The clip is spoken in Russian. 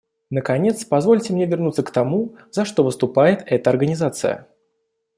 Наконец, позвольте мне вернуться к тому, за что выступает эта Организация.